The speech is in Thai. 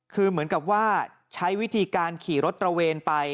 คือเหมือนกับว่าใช้วิธีการขี่รถตระเวนไป